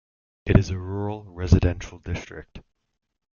It is a rural, residential district.